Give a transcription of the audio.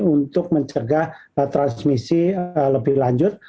untuk mencegah transmisi lebih lanjut